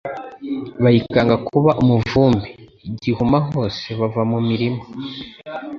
Bayikanga kuba umuvumbiI Gihuma hose bava mu mirima